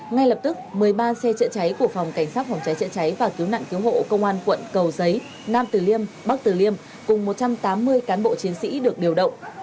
ngay lập tức một mươi ba xe chữa cháy của phòng cảnh sát phòng cháy chữa cháy và cứu nạn cứu hộ công an quận cầu giấy nam tử liêm bắc tử liêm cùng một trăm tám mươi cán bộ chiến sĩ được điều động